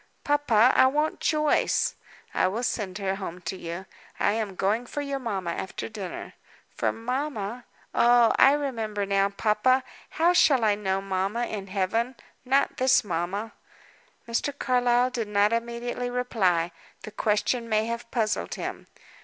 "Papa, I want Joyce." "I will send her home to you. I am going for your mamma after dinner." "For mamma? oh, I remember now. Papa, how shall I know mamma in Heaven? Not this mamma." Mr. Carlyle did not immediately reply. The question may have puzzled him.